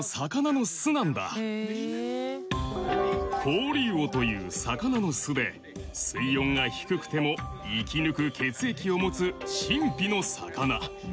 コオリウオという魚の巣で水温が低くても生き抜く血液を持つ神秘の魚。